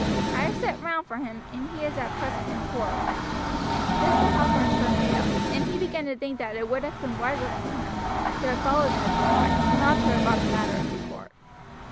I have sent round for him, and he is at present in court." Mr. Hathorn turned pale, and he began to think that it would have been wiser for him to have followed Ned's advice, and not to have brought the matter into court.